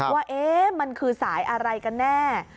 ว่ามันคือสายอะไรกันแน่